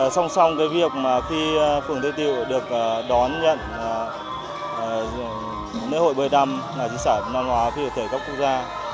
song song cái việc mà khi phường tây tịu được đón nhận lễ hội bơi đam là di sản văn hóa phi vật thể quốc gia